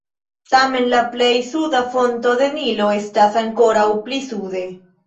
Tamen la plej suda fonto de Nilo estas ankoraŭ pli sude.